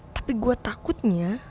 tapi gue takutnya